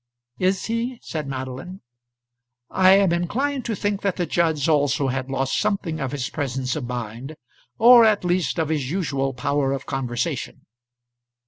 "Is he?" said Madeline. I am inclined to think that the judge also had lost something of his presence of mind, or, at least, of his usual power of conversation.